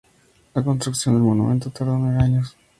La construcción del monumento tardó nueve años.